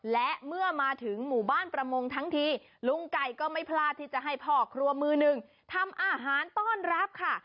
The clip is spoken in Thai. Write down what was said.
และเมื่อมาถึงหมู่บ้านประมงทั้งทีลุงไก่ก็ไม่พลาดที่จะให้พ่อครัวมือหนึ่งทำอาหารต้อนรับค่ะ